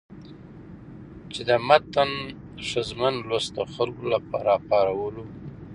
چې د متن ښځمن لوست د خلکو له راپارولو